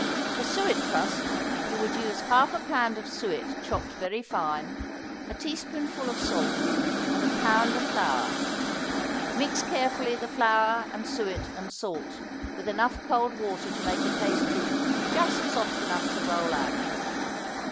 For suet crust you would use half a pound of suet chopped very fine, a teaspoonful of salt and a pound of flour. Mix carefully the flour and suet and salt with enough cold water to make a pastry just soft enough to roll out.